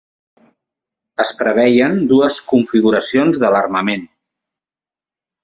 Es preveien dues configuracions de l'armament.